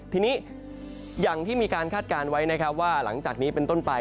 ทีนี้อย่างที่มีการคาดการณ์ไว้นะครับว่าหลังจากนี้เป็นต้นไป